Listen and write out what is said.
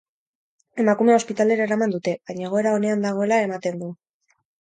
Emakumea ospitalera eraman dute, baina egoera onean dagoela ematen du.